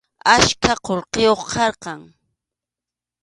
Achka qullqiyuq karqan.